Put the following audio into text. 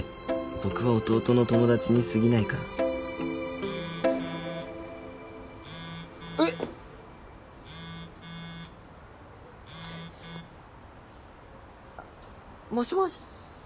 僕は弟の友達に過ぎないからえっ⁉もしもし？